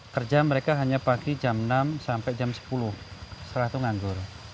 kerja mereka hanya pagi jam enam sampai jam sepuluh setelah itu nganggur